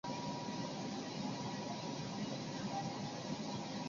担任右后卫。